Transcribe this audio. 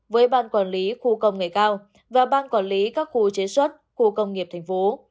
với ban quản lý khu công nghệ cao và ban quản lý các khu chế xuất khu công nghiệp tp